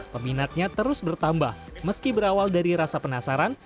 peminatnya terus bertambah meski berawal dari rasa penasaran